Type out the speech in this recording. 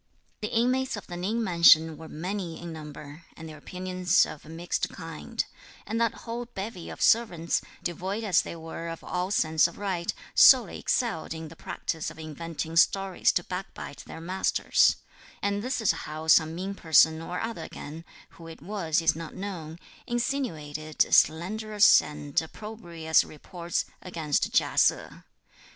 The inmates of the Ning mansion were many in number, and their opinions of a mixed kind; and that whole bevy of servants, devoid as they were of all sense of right, solely excelled in the practice of inventing stories to backbite their masters; and this is how some mean person or other again, who it was is not known, insinuated slanderous and opprobrious reports (against Chia Se).